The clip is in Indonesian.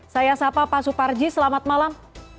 saya sapa pak suparji selamat malam